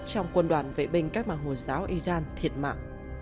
trong quân đoàn vệ binh cách mạng hồi giáo iran thiệt mạng